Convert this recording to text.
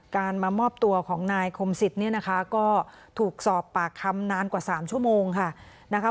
การมามอบตัวของนายคมสิทธิ์ก็ถูกสอบปากคำนานกว่า๓ชั่วโมงค่ะ